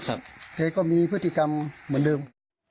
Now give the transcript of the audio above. แกก็มีพฤติกรรมเหมือนเดิม